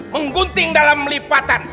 menggunting dalam melipatan